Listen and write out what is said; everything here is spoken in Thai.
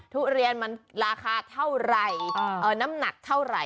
ทุเรียนมันราคาเท่าไหร่น้ำหนักเท่าไหร่